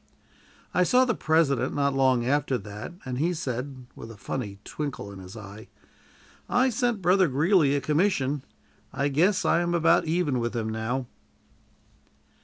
I saw the President not long after that, and he said, with a funny twinkle in his eye: "I sent Brother Greeley a commission. I guess I am about even with him now."